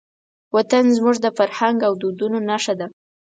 وطن زموږ د فرهنګ او دودونو نښه ده.